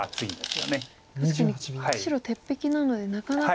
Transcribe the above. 確かに白鉄壁なのでなかなか。